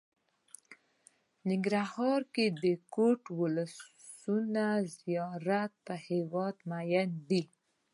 ننګرهار کې د کوټ ولسونه زيات په هېواد ميئن دي.